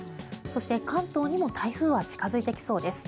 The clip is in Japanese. そして、関東にも台風は近付いてきそうです。